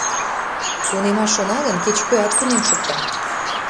— Тунемаш шона гын, кеч-кӧат тунем шукта...